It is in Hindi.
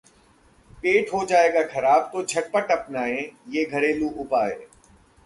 पेट हो जाए खराब तो झटपट अपनाएं ये घरेलू उपाय